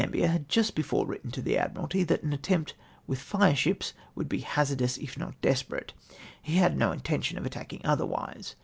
* Lord G;nnbier had just before written to the Admiralty that an attempt with fireships would he " hazardous if not desperate."' He had no intention of attacking otherwise.